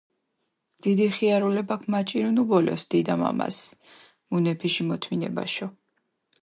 დიდი ხიარულებაქ მაჭირუნუ ბოლოს დიდა-მამასჷ მუნეფიში მოთმინებაშო.